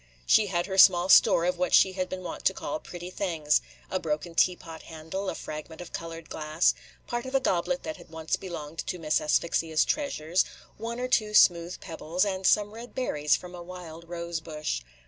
She had her small store of what she had been wont to call pretty things, – a broken teapot handle, a fragment of colored glass, part of a goblet that had once belonged to Miss Asphyxia's treasures, one or two smooth pebbles, and some red berries from a wild rose bush.